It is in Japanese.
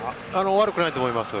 悪くないと思います。